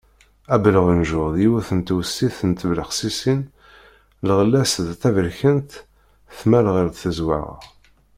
Abelɣenǧur d yiwet n tewsit n tbexsisin, lɣella-s d taberkant tmal ɣer tezweɣ.